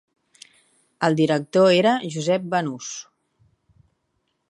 El director era Josep Banús.